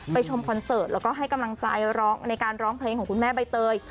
ชมคอนเสิร์ตแล้วก็ให้กำลังใจร้องในการร้องเพลงของคุณแม่ใบเตย